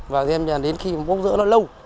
và đến khi bốc rỡ nó lâu